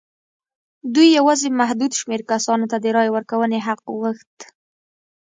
دوی یوازې محدود شمېر کسانو ته د رایې ورکونې حق غوښت.